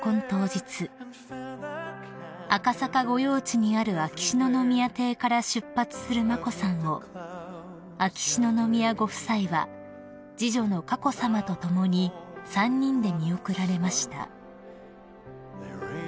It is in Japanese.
当日赤坂御用地にある秋篠宮邸から出発する眞子さんを秋篠宮ご夫妻は次女の佳子さまと共に３人で見送られました］